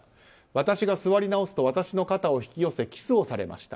私が座り直すと私の肩を引き寄せキスをされました。